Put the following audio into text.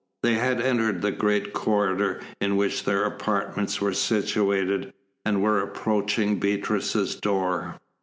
They had entered the great corridor in which their apartments were situated, and were approaching Beatrice's door.